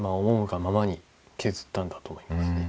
思うがままに削ったんだと思います。